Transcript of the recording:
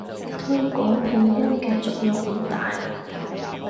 推廣拼音嘅作用唔大